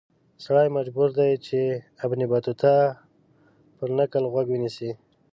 سړی مجبور دی چې د ابن بطوطه پر نکل غوږ ونیسي.